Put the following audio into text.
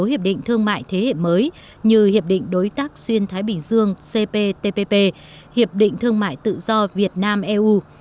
hiệp định thương mại thế hệ mới như hiệp định đối tác xuyên thái bình dương cptpp hiệp định thương mại tự do việt nam eu